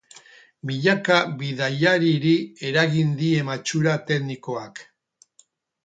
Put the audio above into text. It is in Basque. Milaka bidaiariri eragin die matxura teknikoak.